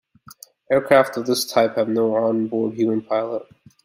Aircraft of this type have no onboard human pilot.